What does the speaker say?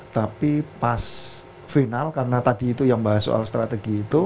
tapi pas final karena tadi itu yang bahas soal strategi itu